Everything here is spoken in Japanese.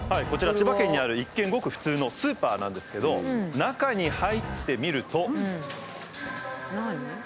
こちら千葉県にある一見ごく普通のスーパーなんですけど中に入ってみると。